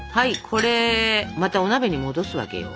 これまたお鍋に戻すわけよ。